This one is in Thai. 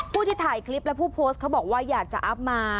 ที่ถ่ายคลิปและผู้โพสต์เขาบอกว่าอยากจะอัพมา